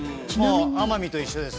天海と一緒です。